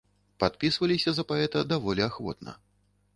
Падпісваліся за паэта даволі ахвотна.